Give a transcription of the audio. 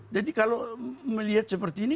kalau melihat seperti ini